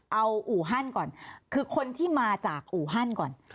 เอาอูร์ฮั่นก่อนเพราะคนที่มาจากอูร์ฮั่นก่อน